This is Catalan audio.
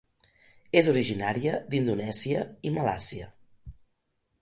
És originària d'Indonèsia i Malàisia.